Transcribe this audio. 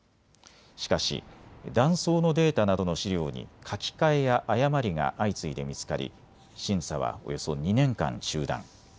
しかし断層のデータなどの資料に書き換えや誤りが相次いで見つかり、審査はおよそ２年間中断。